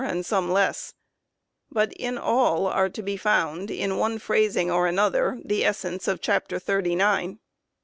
ON AMERICAN DEVELOPMENT 215 but in all are to be found, in one phrasing or another, the essence of chapter thirty nine.